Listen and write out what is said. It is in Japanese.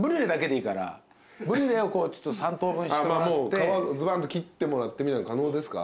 皮ズバンと切ってもらってみたいの可能ですか？